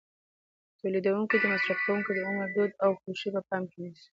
تولیدوونکي د مصرف کوونکو د عمر، دود او خوښې په پام کې نیسي.